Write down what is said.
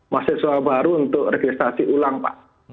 mahasiswa baru untuk registrasi ulang pak